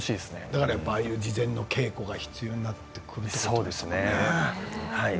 だからああいう事前の稽古が必要になってくるんですね。